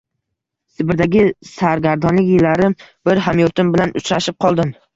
«Sibirdagi sargardonlik yillarim bir hamyurtim bilan uchrashib qoldim.